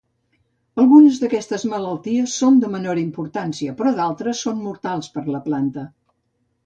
Algunes d'aquestes malalties són de menor importància però d'altres són mortals per la planta.